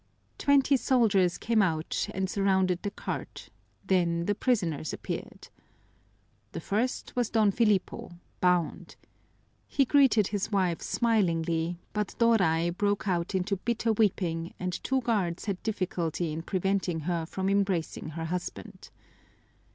Twenty soldiers came out and surrounded the cart; then the prisoners appeared. The first was Don Filipo, bound. He greeted his wife smilingly, but Doray broke out into bitter weeping and two guards had difficulty in preventing her from embracing her husband.